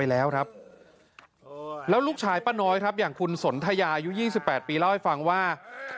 เล่าให้ฟังว่า